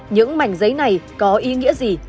những mảnh giấy này có ý nghĩa gì